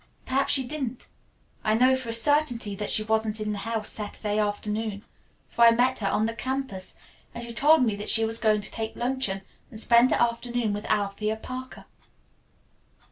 "Perhaps she didn't. I know for a certainty that she wasn't in the house Saturday afternoon, for I met her on the campus and she told me that she was going to take luncheon and spend the afternoon with Althea Parker."